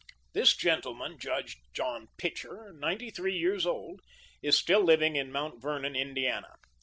*This gentleman, Judge John Pitcher, ninety three years old, is still living in Mount Vernon, Indiana.